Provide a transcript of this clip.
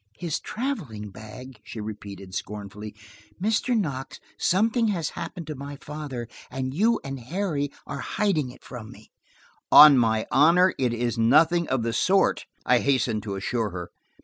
"His traveling bag!" she repeated scornfully. "Mr. Knox, something has happened to my father, and you and Harry are hiding it from me." "On my honor, it is nothing of the sort," I hastened to assure her.